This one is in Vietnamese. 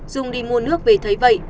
dung đi mua nước về thấy vậy